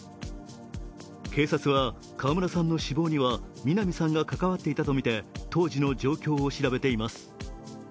警察は川村さんの死亡には南さんが関わっていたとみて、当時の状況を調べています。